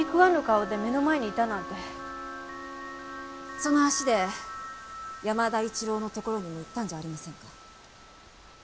その足で山田一郎の所にも行ったんじゃありませんか？